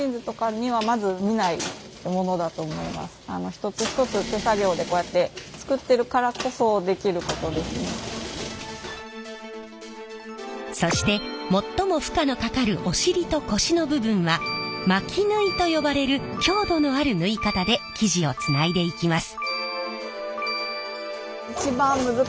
一つ一つそして最も負荷のかかるおしりと腰の部分は巻き縫いと呼ばれる強度のある縫い方で生地をつないでいきます。